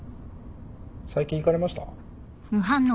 最近行かれました？